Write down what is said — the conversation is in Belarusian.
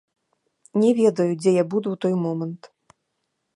Не ведаю, дзе я буду ў той момант.